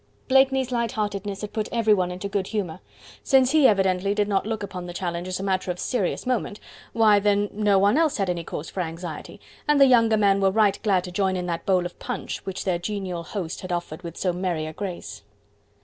Blakeney's light heartedness had put everyone into good humour; since he evidently did not look upon the challenge as a matter of serious moment, why then, no one else had any cause for anxiety, and the younger men were right glad to join in that bowl of punch which their genial host had offered with so merry a grace.